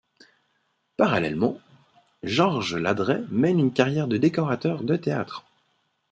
Parallèlement, Georges Ladrey mène une carrière de décorateur de théâtre.